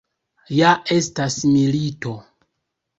Ja estas milito!